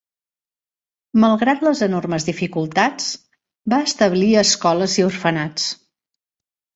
Malgrat les enormes dificultats, va establir escoles i orfenats.